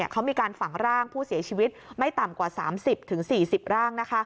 เขามีการฝังร่างผู้เสียชีวิตไม่ต่ำกว่า๓๐๔๐ร่าง